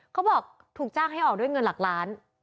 เขาบอกถูกจ้างให้ออกด้วยเงินหลักล้าน